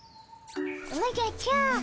おじゃちゃー。